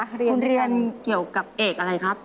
คุณเรียนเกี่ยวกับเอกอะไรครับ